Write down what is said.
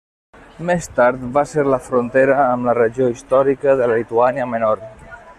Més tard va ser la frontera amb la regió històrica de la Lituània Menor.